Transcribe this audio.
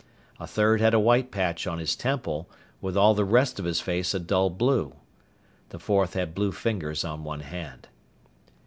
A third had a white patch on his temple, with all the rest of his face a dull blue. The fourth had blue fingers on one hand.